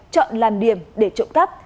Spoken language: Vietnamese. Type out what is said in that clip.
chọn làn điểm để trộm cắp